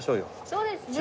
そうですね。